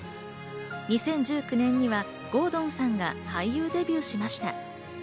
２０１９年には郷敦さんが俳優デビューしました。